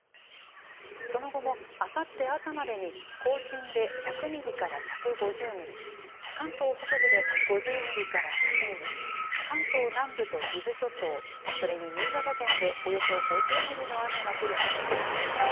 その後もあさって朝までに、甲信で１００ミリから１５０ミリ、関東北部で５０ミリから１００ミリ、関東南部と伊豆諸島、それに新潟県で、およそ５０ミリの雨が降る見込みです。